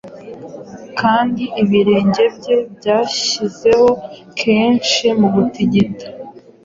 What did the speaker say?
Kandi Ibirenge bye byashyizeho kashe Mu gutigita